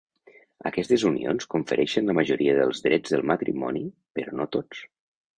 Aquestes unions confereixen la majoria dels drets del matrimoni, però no tots.